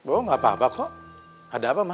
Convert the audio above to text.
oh gak apa apa kok ada apa ma